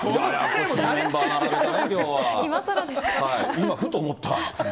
今ふと思った。